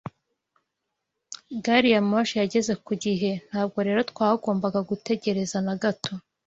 Gari ya moshi yageze ku gihe, ntabwo rero twagombaga gutegereza na gato.